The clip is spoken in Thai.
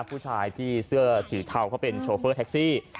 ผู้ชายที่เสื้อสีเทาเขาเป็นโชเฟอร์แท็กซี่